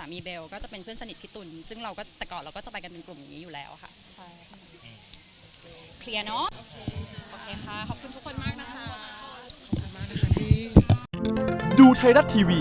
แล้วค่ะใช่ค่ะเคลียร์เนอะโอเคค่ะขอบคุณทุกคนมากนะคะ